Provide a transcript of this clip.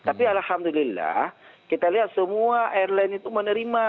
tapi alhamdulillah kita lihat semua airline itu menerima